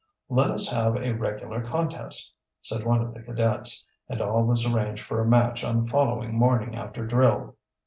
"Let us have a regular contest," said one of the cadets, and all was arranged for a match on the following morning after drill.